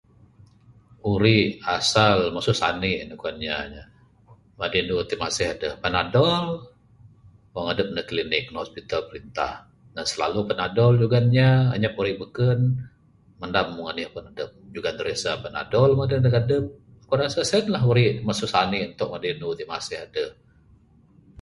Uri asal masu sani ne kuan inya nyeh, madi andu ti masih adeh, Panadol. Wang adep neg klinik, neg hospital perintah, ne silalu panadol jugon inya anyap uri beken. Mandam meng anih pun adep jugon daresa Panadol mah dadeg neg adep. Ku rasa sien lah uri masu sani tok madi andu ti masih adeh.